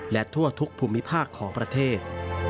และทั่วทุกภูมิภาคของประเทศ